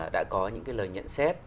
đã có những cái lời nhận xét